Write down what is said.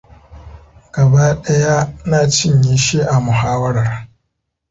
Gaba ɗaya na cinye shi a muhawarar.